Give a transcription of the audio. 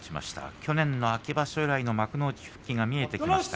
去年の秋場所以来の幕内復帰が見えてきました。